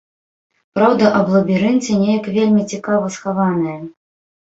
Праўда аб лабірынце неяк вельмі цікава схаваная.